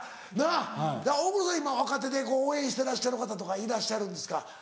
今若手で応援してらっしゃる方とかいらっしゃるんですか？